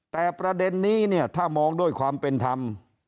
แต่ประเด็นนี้เนี่ยถ้ามองด้วยความเป็นธรรม